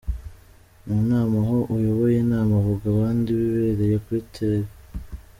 Mu nama aho uyoboye inama avuga abanndi bibereye kuri Tél.